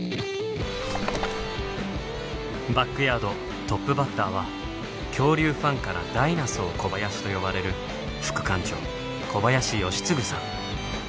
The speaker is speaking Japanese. バックヤードトップバッターは恐竜ファンからダイナソー小林と呼ばれる副館長小林快次さん。